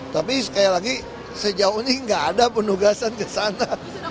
tapi sekali lagi sejauh ini nggak ada penugasan ke sana